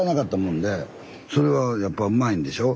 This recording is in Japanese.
それはやっぱうまいんでしょ？